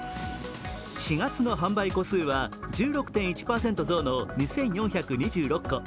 ４月の販売戸数は１６．１％増の２４２６戸。